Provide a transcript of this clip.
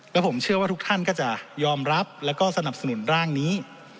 และผมเชื่อว่าทุกท่านก็จะยอมรับแล้วก็สนับสนุนร่างนี้